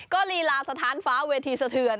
ก็ลีลาสถานฟ้าเวทีสะเทือน